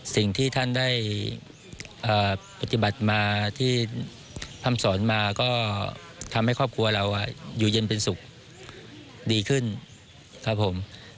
สิ่งที่ท่านได้ปฏิบัติมาที่พร่ำสอนมาก็ทำให้ครอบครัวเราอยู่เย็นเป็นสุขดีขึ้นครับผม